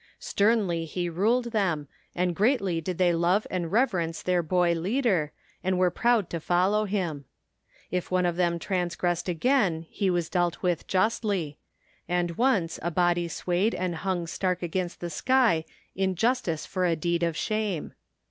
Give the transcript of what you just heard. Sternly he ruled them, and greatly did they love and reverence their boy leader, and were proud to follow him. If one of them transgressed again he was dealt with justly ; and once a body swayed and hung stark against the sky in justice for a deed of shame.